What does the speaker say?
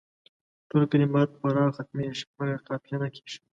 ټول کلمات پر راء ختمیږي مګر قافیه نه کیږي.